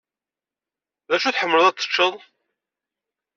D acu ay tḥemmleḍ ad t-tecceḍ?